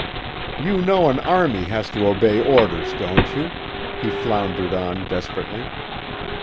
"You know an army has to obey orders, don't you?" he floundered on desperately.